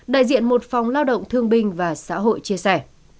đại diện một phòng lao động thương binh và xã hội chia sẻ